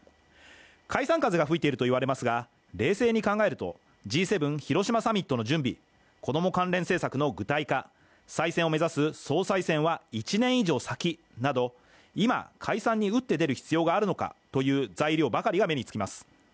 解散風が吹いていると言われますが冷静に考えると、Ｇ７広島サミットの準備、子供関連政策の具体化再選を目指す総裁選は１年以上先など今、解散に打って出る必要があるのかという材料ばかりが目につきます。